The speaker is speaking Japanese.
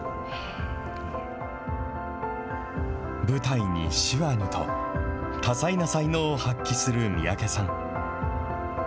舞台に手話にと、多彩な才能を発揮する三宅さん。